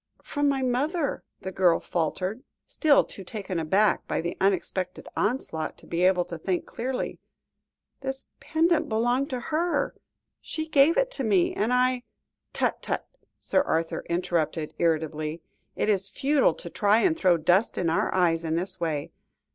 "From my mother," the girl faltered, still too taken aback by the unexpected onslaught, to be able to think clearly. "This pendant belonged to her; she gave it to me, and I " "Tut, tut!" Sir Arthur interrupted irritably; "it is futile to try and throw dust in our eyes in this way.